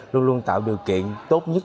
luôn luôn tạo điều kiện tốt nhất